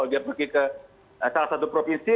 dia pergi ke salah satu provinsi